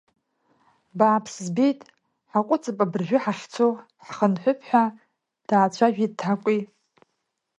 Бааԥс збеит, ҳаҟәыҵып абыржәы ҳахьцо, ҳхынҳәып ҳәа, даацәажәеит ҭакәи.